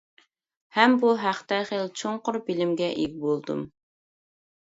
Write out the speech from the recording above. ھەم بۇ ھەقتە خېلى چوڭقۇر بىلىمگە ئىگە بولدۇم.